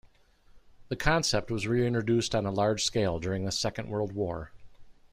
The concept was re-introduced on a large scale during the Second World War.